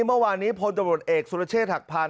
เมื่อวานนี้พลตำรวจเอกสุรเชษฐหักพาน